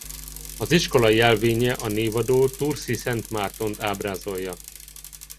Az iskola jelvénye a névadó Tours-i Szent Mártont ábrázolja.